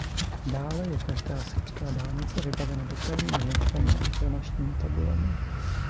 Dále je každá srbská dálnice vybavena dopravními značkami a informačními tabulemi.